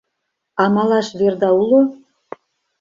— А малаш верда уло?